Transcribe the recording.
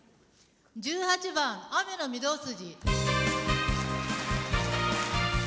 １８番「雨の御堂筋」。